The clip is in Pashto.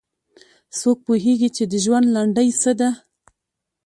څوک پوهیږي چې د ژوند لنډۍ څه ده